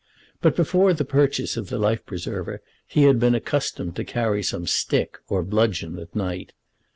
But before the purchase of the life preserver he had been accustomed to carry some stick or bludgeon at night.